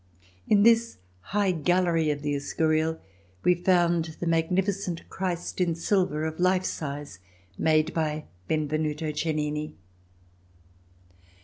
In this high gallery of the Escurlal we found the magnificent Christ in silver, of life size, made by Benvenuto Cellini.